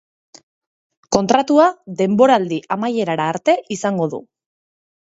Kontratua denboraldi amaierara arte izango du.